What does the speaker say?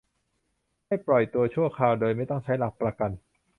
ให้ปล่อยตัวชั่วคราว โดยไม่ต้องใช้หลักประกัน